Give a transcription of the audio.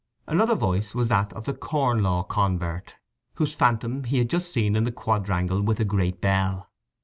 Another voice was that of the Corn Law convert, whose phantom he had just seen in the quadrangle with a great bell.